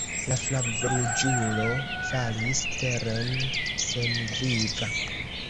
La flavruĝulo falis teren senviva.